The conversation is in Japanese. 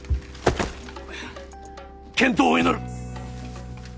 健闘を祈る。